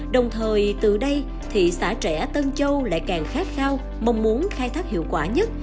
đồng thời từ đây thị xã trẻ tân châu lại càng khát khao mong muốn khai thác hiệu quả nhất